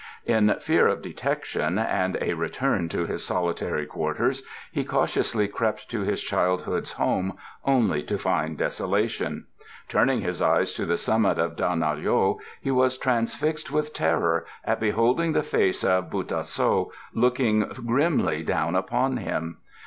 In fear of detection, and a return to his solitary quarters, he cautiously crept to his childhoodŌĆÖs home only to find desolation. Turning his eyes to the summit of Dah nol yo he was transfixed with terror at beholding the face of Bu tah so looking grimly down upon him.